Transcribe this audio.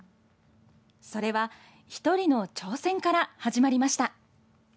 それは一人の挑戦から始まりました。